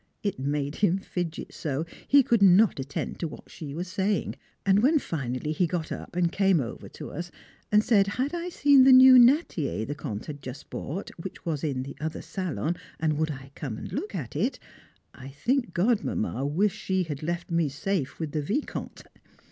It made him fidget so, he could not attend to what she was saying. And when finally he got up and came over to us and said, had I seen the new "Nattier" the Comte had just bought, which was in the other salon, and would I come and look at it? I think Godmamma wished she had left me safe with the Vicomte.